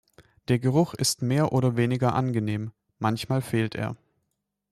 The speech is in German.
Der Geruch ist mehr oder weniger angenehm, manchmal fehlt er.